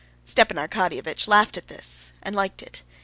Stepan Arkadyevitch laughed at this, and liked it.